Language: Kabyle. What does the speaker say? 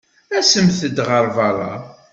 Asemt-d ɣer beṛṛa.